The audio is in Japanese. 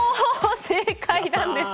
正解なんです。